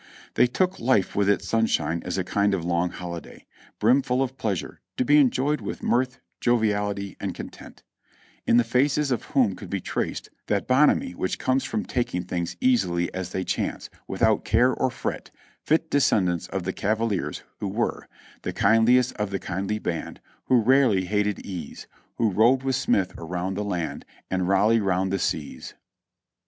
They took life with its sunshine as a kind of long holiday, brimful of pleasure, to be enjoyed with mirth, joviality and content; in the faces of whom could be traced that bonhomie which comes from taking things easily as they chance, without care or fret, fit descendants of those cavaliers who were "The kindliest of the kindly band Who rarely hated ease, Who rode with Smith around the land And Raleigh round the seas."